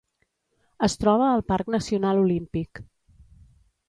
Es troba al Parc Nacional Olímpic.